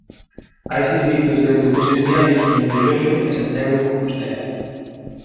Hai servizos de autobuses diarios entre Loxo e Santiago de Compostela.